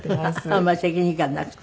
あんまり責任感なくて。